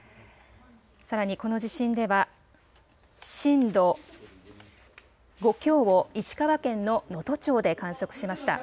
さらにこの地震では震度５強を石川県の能登町で観測しました。